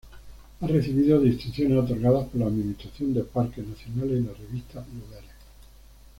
Ha recibido distinciones otorgadas por la Administración de Parques Nacionales y la Revista Lugares.